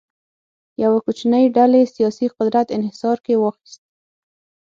یوه کوچنۍ ډلې سیاسي قدرت انحصار کې واخیست.